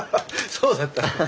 そうだったね。